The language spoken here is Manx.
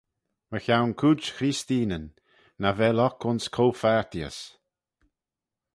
Mychione cooid Chreesteenyn, nagh vel oc ayns copharteeys.